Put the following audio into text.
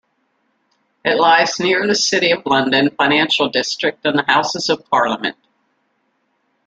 It lies near The City of London financial district and the Houses of Parliament.